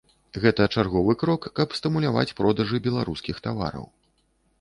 Гэта чарговы крок, каб стымуляваць продажы беларускіх тавараў.